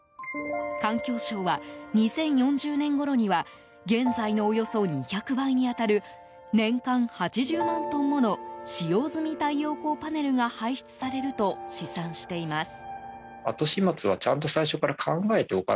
環境省は、２０４０年ごろには現在のおよそ２００倍に当たる年間８０万トンもの使用済み太陽光パネルが排出されると試算しています。